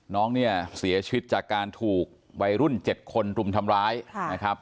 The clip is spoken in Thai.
น้องเนี่ยเสียชีวิตจากการถูกวัยรุ่น๗คนรุมทำร้ายนะครับ